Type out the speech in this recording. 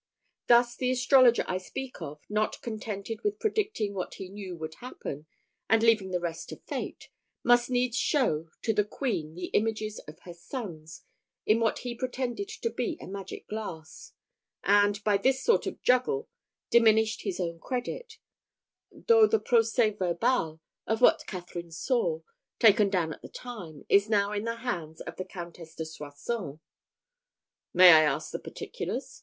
Thus the astrologer I speak of, not contented with predicting what he knew would happen, and leaving the rest to fate, must needs show to the queen the images of her sons, in what he pretended to be a magic glass; and, by this sort of juggle diminished his own credit; though the procès verbal of what Catherine saw, taken down at the time, is now in the hands of the Countess de Soissons." "May I ask the particulars?"